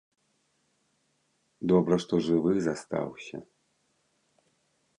Добра, што жывы застаўся.